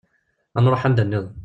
Ad nruḥ anda-nniḍen.